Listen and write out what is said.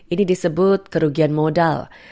ini disebut kerugian modal